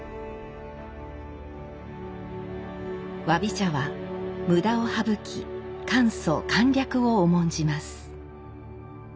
侘び茶は無駄を省き簡素簡略を重んじます。